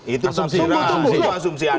itu asumsi anda bukan saya